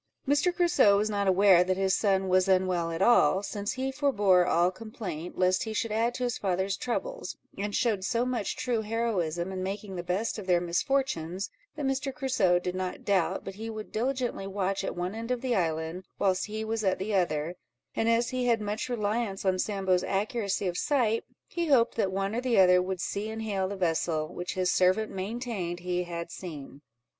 Mr. Crusoe was not aware that his son was unwell at all, since he forbore all complaint, lest he should add to his father's troubles, and showed so much true heroism in making the best of their misfortunes, that Mr. Crusoe did not doubt but he would diligently watch at one end of the island, whilst he was at the other; and as he had much reliance on Sambo's accuracy of sight, he hoped that one or the other would see and hail the vessel, which his servant maintained he had seen.